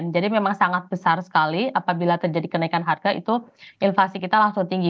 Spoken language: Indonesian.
jadi memang sangat besar sekali apabila terjadi kenaikan harga itu inflasi kita langsung tinggi